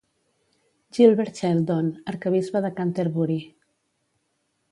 Gilbert Sheldon, arquebisbe de Canterbury.